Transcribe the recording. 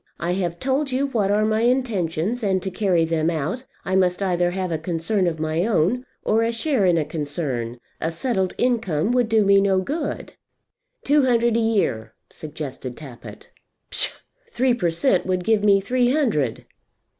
I have told you what are my intentions, and to carry them out I must either have a concern of my own, or a share in a concern. A settled income would do me no good." "Two hundred a year," suggested Tappitt. "Psha! Three per cent. would give me three hundred."